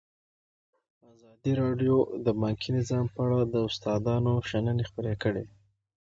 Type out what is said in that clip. ازادي راډیو د بانکي نظام په اړه د استادانو شننې خپرې کړي.